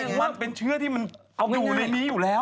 ผมว่าเป็นเชื้อที่มันอยู่ในนี้อยู่แล้ว